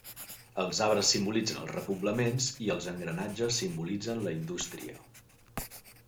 Els arbres simbolitzen els repoblaments i els engranatges simbolitzen la indústria.